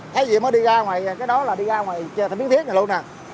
thấy gì mới đi ra ngoài cái đó là đi ra ngoài miếng thiết này luôn nè